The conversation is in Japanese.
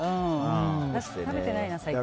食べてないな、最近。